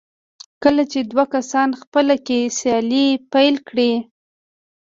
کله چې دوه کسان خپله کې سیالي پيل کړي.